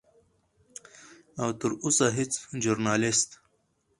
او تر اوسه هیڅ ژورنالست